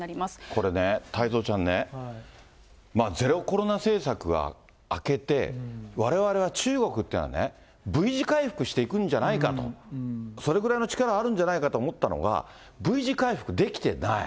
これね、太蔵ちゃんね、ゼロコロナ政策が明けて、われわれは中国というのはね、Ｖ字回復していくんじゃないかと、それぐらいの力があるんじゃないかと思ったのが、Ｖ字回復できてない。